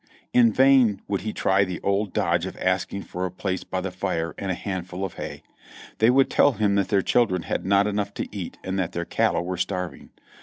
In vain would he try the old dodge of asking for a place by the fire and a handful of hay ; they would tell him that their children had not enough to eat and that their cattle were starving.